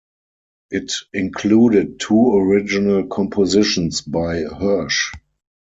It included two original compositions by Hersch.